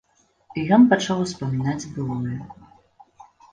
І ён пачаў успамінаць былое.